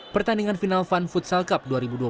pertandingan final fun futsal cup dua ribu dua puluh